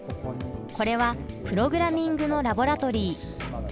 これはプログラミングのラボラトリー。